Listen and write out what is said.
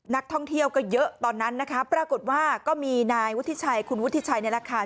นักท่องเที่ยวก็เยอะตอนนั้นนะคะปรากฏว่าก็มีนายวุฒิชัยคุณวุฒิชัยนี่แหละค่ะ